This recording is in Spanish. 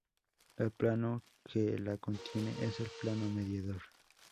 El plano que la contiene es el plano mediador.